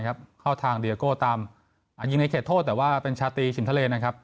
เข้าทางเดียโก้ตามยิงในเขตโทษแต่ว่าเป็นชาตรีชิมทะเลนะครับ